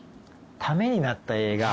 ためになった映画。